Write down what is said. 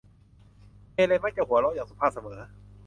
เฮเลนมักจะหัวเราะอย่างสุภาพเสมอ